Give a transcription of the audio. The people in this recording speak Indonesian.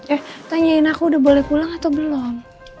eh tanyain aku udah boleh pulang atau belum